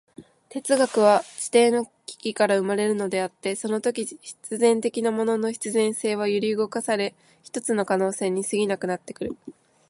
哲学は基底の危機から生まれるのであって、そのとき必然的なものの必然性は揺り動かされ、ひとつの可能性に過ぎなくなってくる。